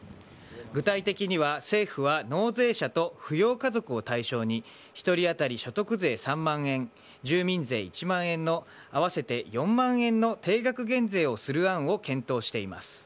具体的には政府は、納税者と扶養家族を対象に１人当たり所得税３万円住民税１万円の合わせて４万円の定額減税をする案を検討しています。